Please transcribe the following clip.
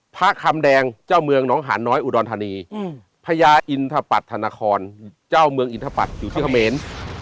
พระคำแดงเจ้าเมืองน้องหานน้อยอุดรธานีพญาอินทปัตธนครเจ้าเมืองอินทปัตย์อยู่ที่เขมร